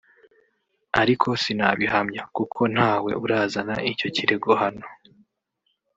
ariko sinabihamya kuko ntawe urazana icyo kirego hano